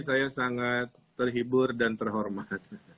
saya sangat terhibur dan terhormat